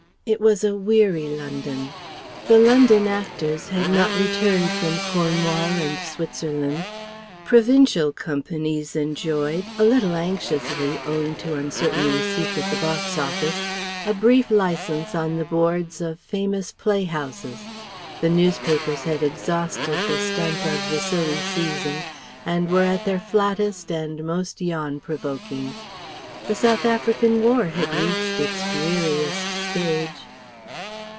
It was a weary London. The London actors had not returned from Cornwall and Switzerland. Provincial companies enjoyed a little anxiously owing to uncertain receipts at the box office a brief license on the boards of famous play houses. The newspapers had exhausted the stunt of the silly season and were at their flattest and most yawn provoking. The South African War had reached its dreariest stage....